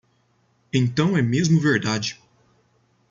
Então é mesmo verdade!